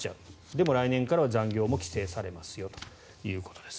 でも来年からは、残業も規制されますよということです。